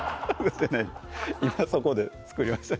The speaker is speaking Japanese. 今そこで作りました